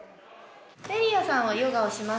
ネリアさんはヨガをしますか？